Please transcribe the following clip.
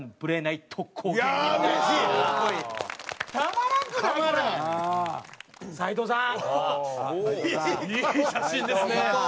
いい写真ですね。